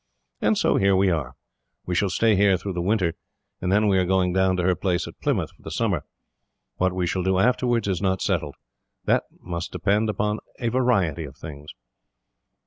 "And so, here we are. We shall stay here through the winter, and then we are going down to her place at Plymouth for the summer. What we shall do, afterwards, is not settled. That must depend upon a variety of things."